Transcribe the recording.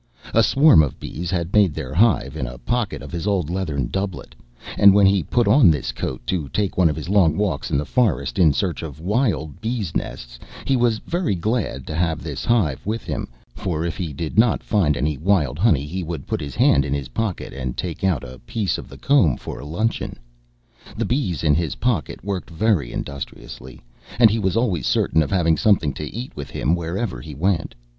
A swarm of bees had made their hive in a pocket of his old leathern doublet; and when he put on this coat to take one of his long walks in the forest in search of wild bees' nests, he was very glad to have this hive with him, for, if he did not find any wild honey, he would put his hand in his pocket and take out a piece of a comb for a luncheon. The bees in his pocket worked very industriously, and he was always certain of having something to eat with him wherever he went.